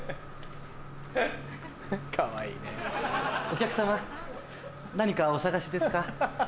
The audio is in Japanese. お客さま何かお探しですか？